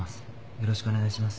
よろしくお願いします。